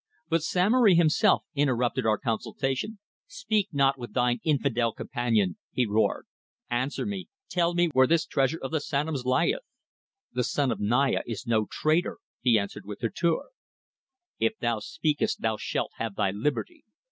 But Samory himself interrupted our consultation. "Speak not with thine infidel companion," he roared. "Answer me. Tell me where this treasure of the Sanoms lieth." "The son of the Naya is no traitor," he answered with hauteur. "If thou speakest thou shalt have thy liberty.